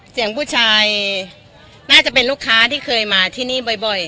เสียงผู้ชายน่าจะเป็นลูกค้าที่เคยมาที่นี่บ่อย